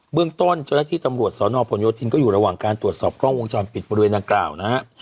เรื่องต้นเจ้าหน้าที่ตำรวจสนผลโยธินก็อยู่ระหว่างการตรวจสอบกล้องวงจรปิดบริเวณดังกล่าวนะฮะ